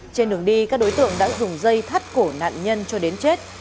trên đường đi các đối tượng đã dùng dây thắt cổ nạn nhân cho đến chết